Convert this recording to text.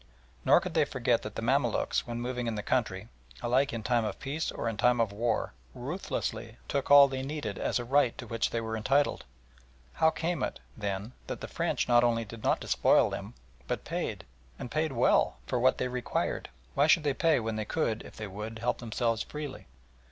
Nor could they forget that the Mamaluks when moving in the country, alike in time of peace or in time of war, ruthlessly took all they needed as a right to which they were entitled. How came it, then, that the French not only did not despoil them, but paid and paid well for what they required? Why should they pay when they could if they would help themselves freely?